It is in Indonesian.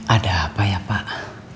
ada apa ya pak